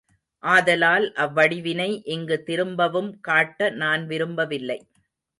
ஆதலால் அவ்வடிவினை இங்கு திரும்பவும் காட்ட நான் விரும்பவில்லை.